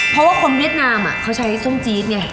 เพราะว่าคนเวียดนามเขาใช้ส้มจี๊ดไง